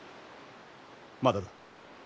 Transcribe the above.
まだだ。